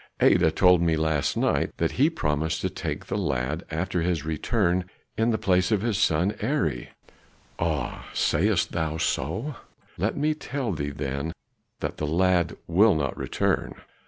"Adah told me last night that he had promised to take the lad after his return in the place of his son Eri." "Ah, sayest thou so? Let me tell thee then that the lad will not return.